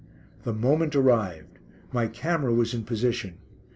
The moment arrived. My camera was in position.